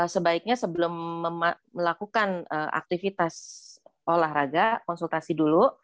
sebaiknya sebelum melakukan aktivitas olahraga konsultasi dulu